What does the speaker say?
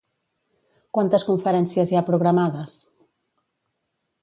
Quantes conferències hi ha programades?